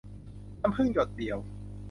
น้ำผึ้งหยดเดียว